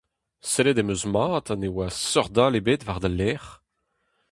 Sellet em eus mat ha ne oa seurt all ebet war da lerc'h.